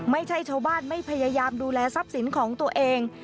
ไม่ใช่ชาวบ้านไม่พยายามดูแลทรัพย์สินของตัวเอง